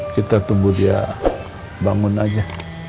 kita tunggu dia bangun aja